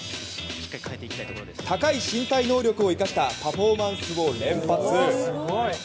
高い身体能力を生かしたパフォーマンスを連発。